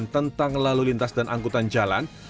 tentang lalu lintas dan angkutan jalan